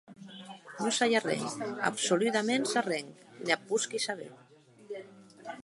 Non sai arren, absoludaments arren, ne ac posqui saber.